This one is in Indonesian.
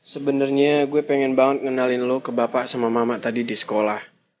sebenarnya gue pengen banget ngenalin lo ke bapak sama mama tadi di sekolah